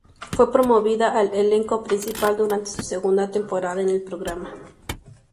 Fue promovida al elenco principal durante su segunda temporada en el programa.